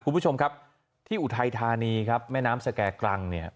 คุณผู้ชมครับที่อุทัยธานีครับแม่น้ำสแก่กรังเนี่ย